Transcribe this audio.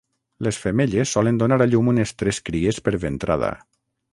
Les femelles solen donar a llum unes tres cries per ventrada.